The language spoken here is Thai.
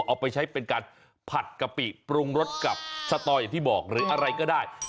เอาไปใช้เป็นการผัดกะปิปรุงรสกับสตออย่างที่บอกหรืออะไรก็ได้